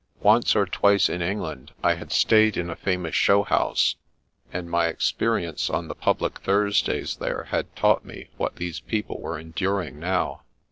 Once or twice in England, I had stayed in a famous show house, and my experience on the public Thursdays there had taught me what these people were enduring now.